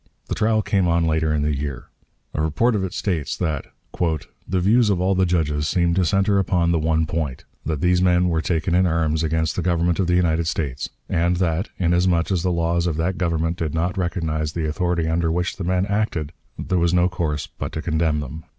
The trial came on later in the year. A report of it states that "the views of all the judges seemed to center upon the one point, that these men were taken in arms against the Government of the United States, and that, inasmuch as the laws of that Government did not recognize the authority under which the men acted, there was no course but to condemn them."